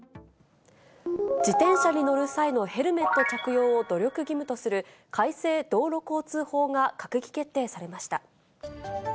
自転車に乗る際のヘルメット着用を、努力義務とする改正道路交通法が閣議決定されました。